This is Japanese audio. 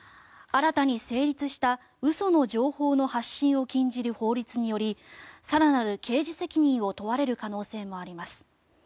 新たに成立した嘘の情報の発信を禁じる法律により更なる刑事責任を問われる可能性もあります。